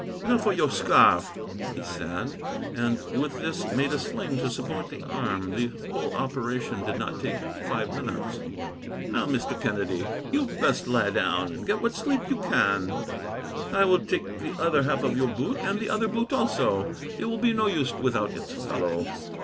"Now for your scarf," he said, and with this made a sling to support the arm. The whole operation did not take five minutes. "Now, Mr. Kennedy, you had best lie down and get what sleep you can. I will take the other half of your boot, and the other boot also. It will be no use without its fellow.